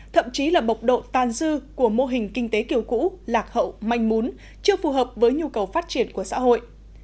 thậm chí là bộc độ tan dư của mô hình kinh tế kiểu cũ lạc hậu manh mún chưa phù hợp với nhu cầu phát triển của xã hội